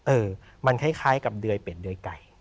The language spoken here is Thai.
เออมันคล้ายกับเดือยเป็ดเดือยไก่